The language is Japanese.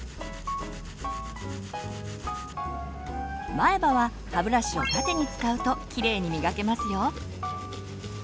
前歯は歯ブラシを縦に使うときれいにみがけますよ。